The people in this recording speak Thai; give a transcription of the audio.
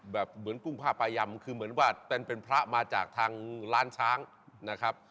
เหมือนกุ้งผ้าปลายำคือเหมือนว่าเป็นพระมาจากทางร้านช้างนะครับ